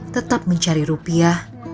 tetap mencari rupiah